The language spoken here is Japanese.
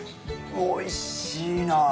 おいしいな。